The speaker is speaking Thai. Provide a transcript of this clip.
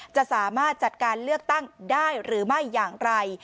จะสามารถจัดการเลือกตั้งได้หรือไม่อย่างไร